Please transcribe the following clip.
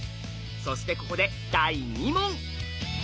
そしてここで第２問。